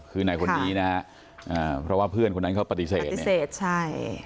คือไหนคนนี้นะฮะอ่าเพราะว่าเพื่อนคนนั้นเขาปฏิเสธปฏิเสธใช่